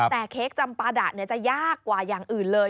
แต่เค้กจำปาดะจะยากกว่าอย่างอื่นเลย